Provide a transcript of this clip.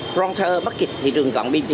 frontal market thị trường cận biên